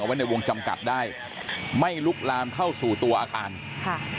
ไว้ในวงจำกัดได้ไม่ลุกลามเข้าสู่ตัวอาคารค่ะ